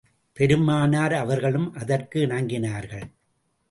பெருமானார் அவர்களும் அதற்கு இணங்கினார்கள்.